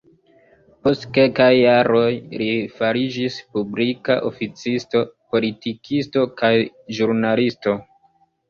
Post kelkaj jaroj, li fariĝis publika oficisto, politikisto kaj ĵurnalisto.